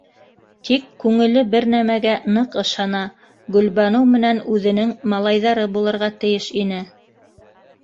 Тик күңеле бер нәмәгә ныҡ ышана: Гөлбаныу менән үҙенең малайҙары булырға тейеш ине.